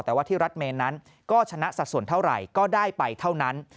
แต่ว่าที่รัฐเมนนั้นก็ชนะสัดส่วนเท่าไหร่ก็ได้ไปเท่านั้น